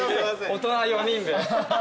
大人４人で。